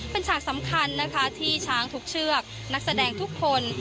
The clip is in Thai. เป็นฉากสำคัญนะคะที่ช้างทุกเชือกนักแสดงทุกคน